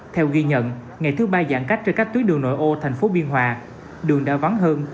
theo ghi nhận ngày thứ ba giãn cách trên các tuyến đường nội ô thành phố biên hòa đường đã vắng hơn